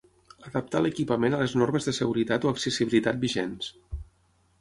Adaptar l'equipament a les normes de seguretat o accessibilitat vigents.